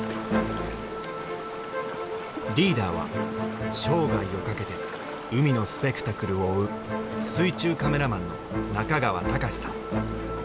リーダーは生涯をかけて海のスペクタクルを追う水中カメラマンの中川隆さん。